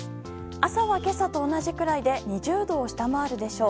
朝は今朝と同じくらいで２０度を下回るでしょう。